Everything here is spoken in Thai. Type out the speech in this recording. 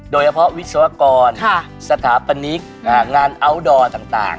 โดยเฉพาะวิศวกรสถาปนิกงานอัลดอร์ต่าง